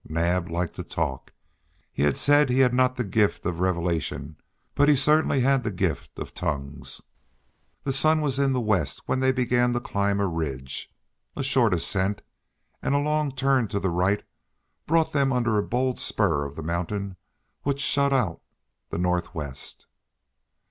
Naab liked to talk; he had said he had not the gift of revelation, but he certainly had the gift of tongues. The sun was in the west when they began to climb a ridge. A short ascent, and a long turn to the right brought them under a bold spur of the mountain which shut out the northwest.